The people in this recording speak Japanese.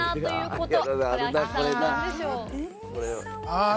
ああ！